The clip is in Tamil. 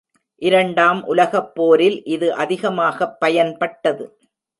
இரண்டாம் உலகப் போரில் இது அதிகமாகப் பயன்பட்டது.